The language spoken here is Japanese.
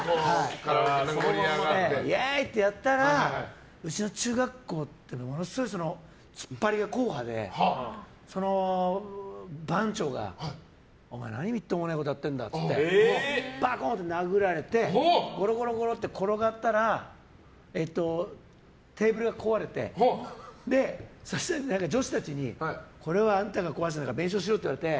イエーイ！ってやったらうちの中学校はものすごいツッパリが硬派でその番長がお前何みっともないことやってんだってばこんって殴られてゴロゴロって転がったらテーブルが壊れて女子たちにこれはあんたが壊したんだから弁償しろって言われて